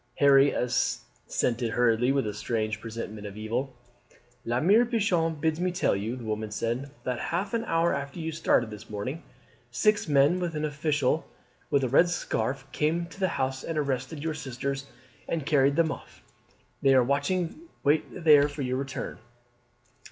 Harry assented hurriedly, with a strange presentiment of evil. "La Mere Pichon bids me tell you," the woman said, "that half an hour after you started this morning six men, with an official with the red scarf, came to the house and arrested your sisters and carried them off. They are watching there for your return."